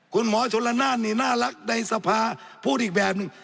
คุณหมอชนละนานนี่น่ารักในสภาพูดอีกแบบหนึ่ง